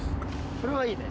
それはいいね。